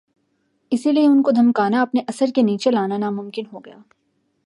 اسی لئے ان کو دھمکانا یا اپنے اثر کے نیچے لانا ناممکن ہو گیا۔